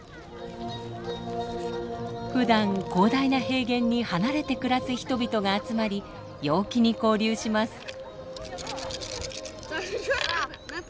ふだん広大な平原に離れて暮らす人々が集まり陽気に交流します。